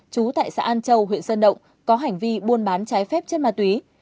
chú tại xã an châu huyện sơn động có hành vi buôn bán trái phép chất ma túy